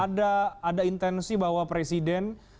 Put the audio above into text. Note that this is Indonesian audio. ada melihat bahwa ada intensi bahwa presiden